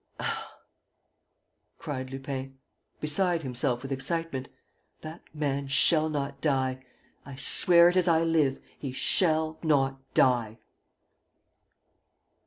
... Ah," cried Lupin, beside himself with excitement, "that man shall not die! I swear it as I live: he shall not die!"